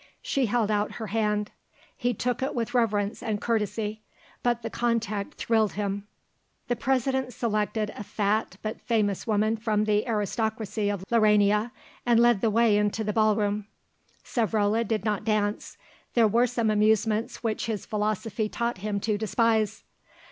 She held out her hand; he took it with reverence and courtesy, but the contact thrilled him. The President selected a fat but famous woman from the aristocracy of Laurania, and led the way into the ball room. Savrola did not dance; there were some amusements which his philosophy taught him to despise.